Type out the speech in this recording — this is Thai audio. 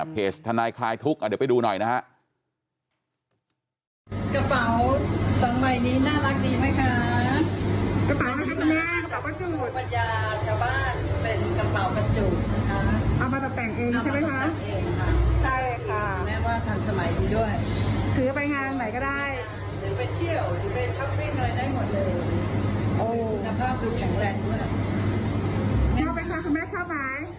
ทนายคลายทุกข์เดี๋ยวไปดูหน่อยนะฮะ